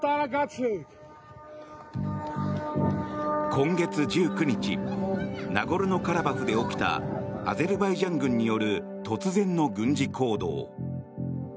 今月１９日ナゴルノカラバフで起きたアゼルバイジャン軍による突然の軍事行動。